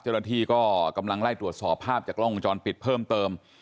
เจ้าหน้าที่ก็กำลังไล่ตรวจสอบภาพจากกล้องวงจรปิดเพิ่มเติม